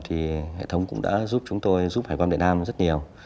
thì hệ thống cũng đã giúp chúng tôi giúp hải quan việt nam rất nhiều